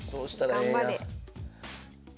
頑張れ。